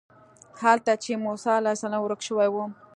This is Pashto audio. هلته چې موسی علیه السلام ورک شوی و.